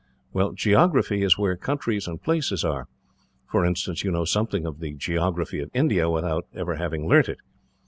"Well, geography is where countries and places are. For instance, you know something of the geography of India, without ever having learnt it.